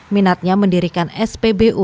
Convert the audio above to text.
minatnya mendirikan spbu